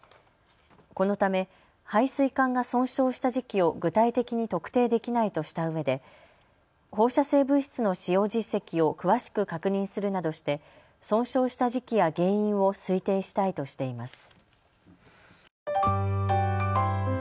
このため排水管が損傷した時期を具体的に特定できないとしたうえで放射性物質の使用実績を詳しく確認するなどして損傷した時期や原因を推定したいとしています。